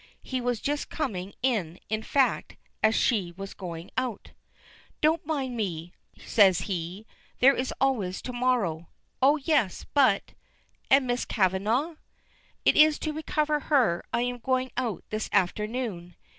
He was just coming in, in fact, as she was going out. "Don't mind me," says he; "there is always to morrow." "Oh, yes, but " "And Miss Kavanagh?" "It is to recover her I am going out this afternoon."